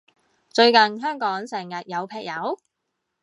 最近香港成日有劈友？